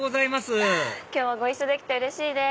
今日ご一緒できてうれしいです。